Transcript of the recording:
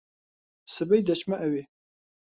سبەی دەچمە ئەوێ.